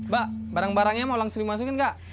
ba barang barangnya mau langsung dimasingin gak